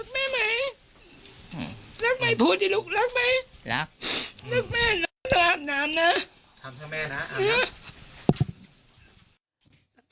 รักแม่ไหมรักไหมพูดดิลุกรักไหมรักรักแม่อาบน้ำนะทำแม่นะอาบน้ำ